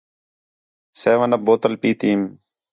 سیون اَپ بوتل پیتی ایم